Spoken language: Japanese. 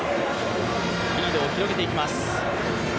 リードを広げていきます。